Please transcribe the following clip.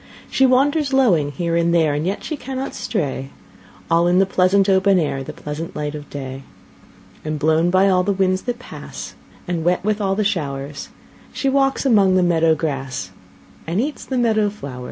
She wanders lowing here and there, And yet she cannot stray, All in the pleasant open air, The pleasant light of day; And blown by all the winds that pass And wet with all the showers, She walks among the meadow grass And eats the meadow flowers.